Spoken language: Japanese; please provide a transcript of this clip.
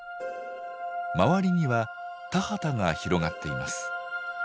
周りには田畑が広がっています。